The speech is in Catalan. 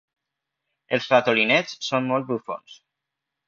Els ratolinets són molt bufons.